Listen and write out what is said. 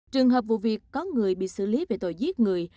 trường hợp vụ việc có người bị xử lý về tội giết người